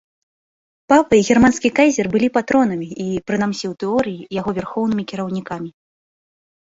Папа і германскі кайзер былі патронамі і, прынамсі ў тэорыі, яго вярхоўнымі кіраўнікамі.